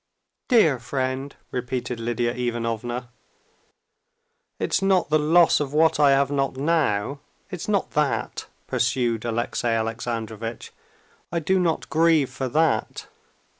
"Dear friend," repeated Lidia Ivanovna. "It's not the loss of what I have not now, it's not that!" pursued Alexey Alexandrovitch. "I do not grieve for that.